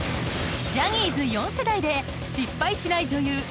［ジャニーズ４世代で失敗しない女優